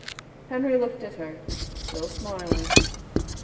Henry looked at her, still smiling.